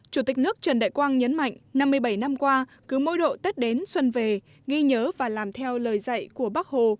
chủ tịch nước trần đại quang nhấn mạnh năm mươi bảy năm qua cứ mỗi độ tết đến xuân về ghi nhớ và làm theo lời dạy của bác hồ